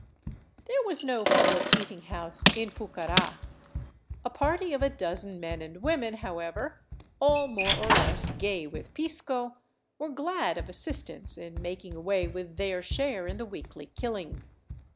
There was no public eating house in Pucara. A party of a dozen men and women, however, all more or less gay with pisco, were glad of assistance in making away with their share in the weekly killing.